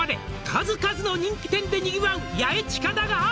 「数々の人気店で賑わうヤエチカだが」